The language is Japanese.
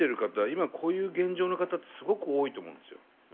今こういう現状の方ってすごく多いと思うんですよ。